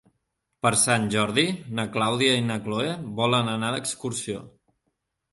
Per Sant Jordi na Clàudia i na Cloè volen anar d'excursió.